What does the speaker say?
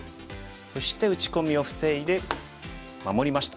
そして打ち込みを防いで守りました。